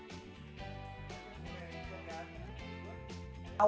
sebelumnya diperkirakan oleh pemerintah